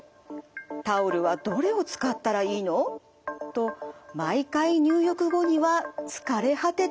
「タオルはどれを使ったらいいの？」と毎回入浴後には疲れ果てていたんです。